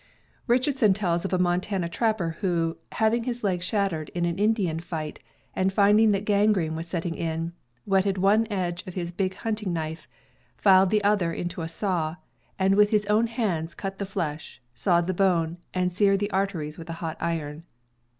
Richardson tells of a Montana trapper who, having his leg shattered in an Indian fight, and finding that gangrene was setting in, whetted one edge of his big hunting knife, filed the other into a saw, and with his own hands cut the flesh, sawed the bone, and seared the arteries with a hot iron.